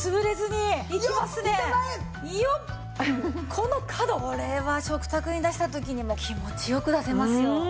これは食卓に出した時にも気持ち良く出せますよ。